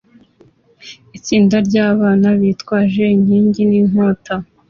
Itsinda ryabana bitwaje inkingi ninkota